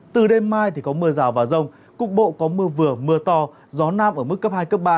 từ đêm mai thì có mưa rào và rông cục bộ có mưa vừa mưa to gió nam ở mức cấp hai cấp ba